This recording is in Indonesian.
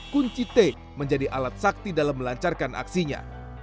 kunci t menjadi alat sakti dalam melancarkan aksinya